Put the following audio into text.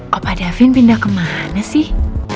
kepa davin pindah ke mana sih